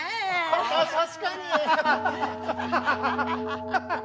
あ確かに！